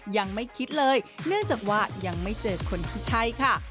ยังไม่คิดเลยเนื่องจากว่ายังไม่เจอคนที่ใช่ค่ะ